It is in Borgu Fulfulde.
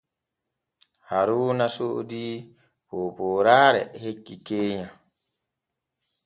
Haaruuna soodii poopooraare hecce keenya.